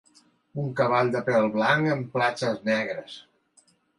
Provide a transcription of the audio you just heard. Un cavall de pèl blanc amb platxes negres.